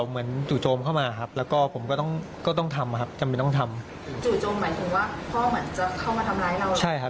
พ่อเหมือนจะเข้ามาทำร้ายเรา